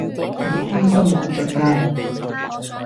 唔開心無罪㗎